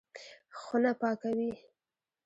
خونه پاکوي.